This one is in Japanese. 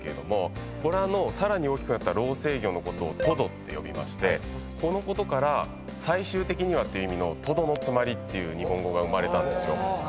ボラのさらに大きくなった老成魚のことをトドって呼びましてこのことから最終的にはっていう意味のとどのつまりっていう日本語が生まれたんですよ。